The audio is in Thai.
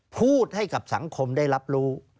พูดให้กับสังคมได้รับรู้